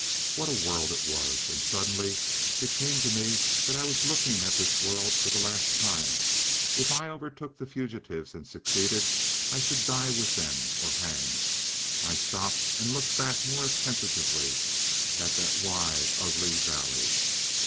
What a world it was! And suddenly it came to me that I was looking at this world for the last time. If I overtook the fugitives and succeeded, I should die with them—or hang. I stopped and looked back more attentively at that wide ugly valley.